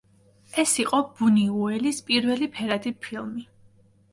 ეს იყო ბუნიუელის პირველი ფერადი ფილმი.